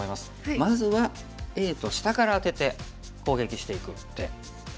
まずはＡと下からアテて攻撃していく手。